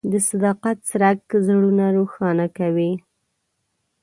د صداقت څرک زړونه روښانه کوي.